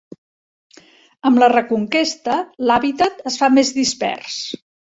Amb la Reconquesta, l'hàbitat es fa més dispers.